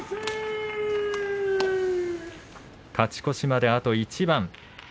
勝ち越しまであと一番。